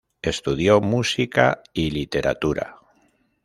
Estudió música y literatura.